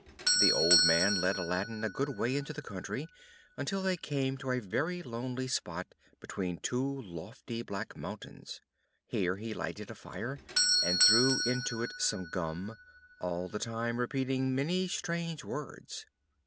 The old man led Aladdin a good way into the country, until they came to a very lonely spot between two lofty black mountains. Here he lighted a fire, and threw into it some gum, all the time repeating many strange words.